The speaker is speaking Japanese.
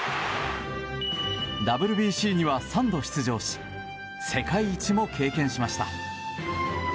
ＷＢＣには３度出場し世界一も経験しました。